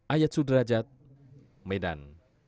ayat sudrajat medan